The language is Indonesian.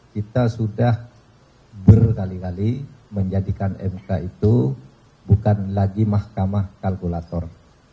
kita sudah berkali kali menjadikan mk itu bukan lagi mahkamah kalkulator